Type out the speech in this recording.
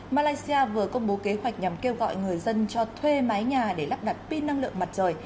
malaysia vừa công bố kế hoạch nhằm kêu gọi người dân cho thuê mái nhà để lắp đặt pin năng lượng mặt trời